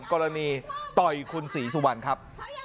กรณีต่อยคุณศรีสุวรรณครับ